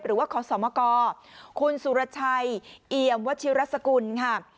หรือว่าขอสมกคุณสุรชัยเอี่ยมวัชิรสกุลค่ะ